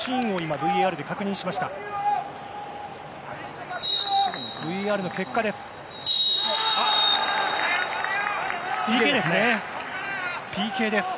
ＶＡＲの結果、ＰＫです。